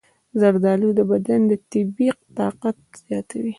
زردآلو د بدن طبیعي طاقت زیاتوي.